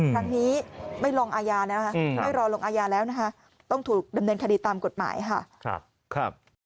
ครั้งนี้ไม่รอลงอาญาแล้วนะคะต้องถูกดำเนินคดีตามกฎหมายค่ะ